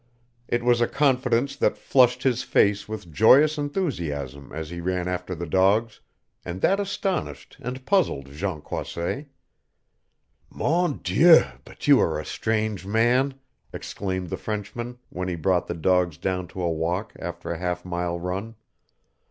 It was a confidence that flushed his face with joyous enthusiasm as he ran after the dogs, and that astonished and puzzled Jean Croisset. "Mon Dieu, but you are a strange man!" exclaimed the Frenchman when he brought the dogs down to a walk after a half mile run.